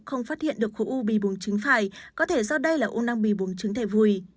không phát hiện được khối u bị bùng trứng phải có thể do đây là u năng bị bùng trứng thể vùi